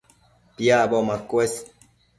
Piacbo macuës